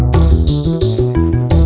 dan sekarang mr samachaya